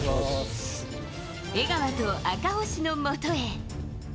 江川と赤星のもとへ。